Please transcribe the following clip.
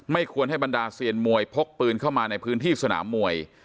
ควรให้บรรดาเซียนมวยพกปืนเข้ามาในพื้นที่สนามมวย